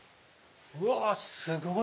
うわすごい！